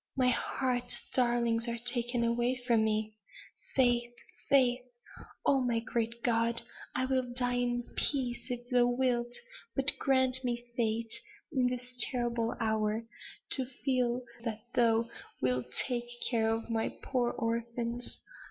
"My heart's darlings are taken away from me. Faith! faith! Oh, my great God! I will die in peace, if Thou wilt but grant me faith in this terrible hour, to feel that Thou wilt take care of my poor orphans.